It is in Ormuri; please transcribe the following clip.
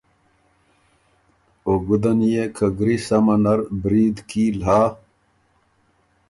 او ګُده نيې که ګری سمه نر برید کیل هۀ۔